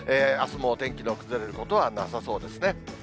あすもお天気の崩れることはなさそうですね。